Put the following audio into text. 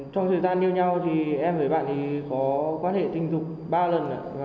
trong thời gian yêu nhau thì em với bạn ấy có quan hệ tình dục ba lần